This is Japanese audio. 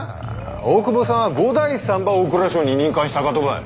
大久保さんは五代さんば大蔵省に任官したかとばい。